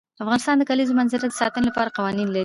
افغانستان د د کلیزو منظره د ساتنې لپاره قوانین لري.